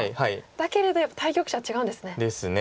だけれどやっぱり対局者は違うんですね。ですね。